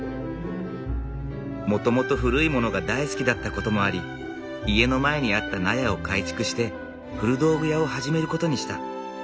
もともと古いものが大好きだったこともあり家の前にあった納屋を改築して古道具屋を始めることにした。